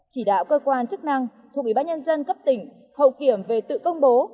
chỉ đạo cơ quan chức năng thuộc ủy ban nhân dân cấp tỉnh hậu kiểm về tự công bố